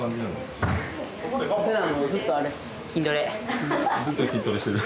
ずっと筋トレしてる？